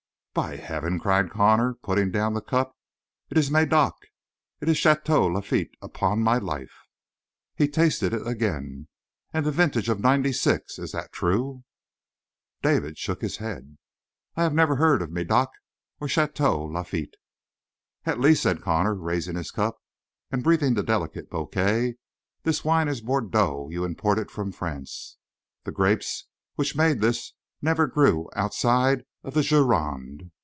"By Heaven," cried Connor, putting down the cup, "it is Médoc! It is Château Lafite, upon my life!" He tasted it again. "And the vintage of '96! Is that true?" David shook his head. "I have never heard of Médoc or Château Lafite." "At least," said Connor, raising his cup and breathing the delicate bouquet, "this wine is Bordeaux you imported from France? The grapes which made this never grew outside of the Gironde!"